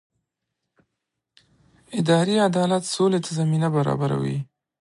اداري عدالت سولې ته زمینه برابروي